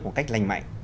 một cách lành mạnh